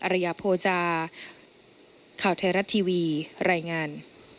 ระยะโภจาข่าวไทยรัฐทีวีรายงาน